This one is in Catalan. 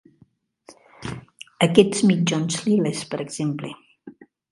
Aquests mitjons liles, per exemple.